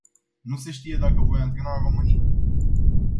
Nu se știe dacă voi antrena în România.